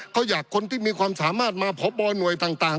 เขาอยากคนที่มีความสามารถมาพบหน่วยต่าง